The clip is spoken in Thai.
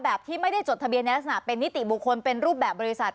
ที่ไม่ได้จดทะเบียนในลักษณะเป็นนิติบุคคลเป็นรูปแบบบริษัท